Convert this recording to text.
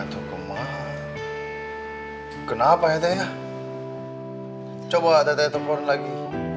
aduk mah kenapa ya deha coba dapet telepon lagi